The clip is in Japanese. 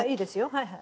はいはい。